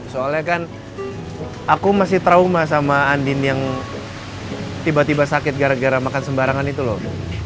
soalnya kan aku masih trauma sama andin yang tiba tiba sakit gara gara makan sembarangan itu loh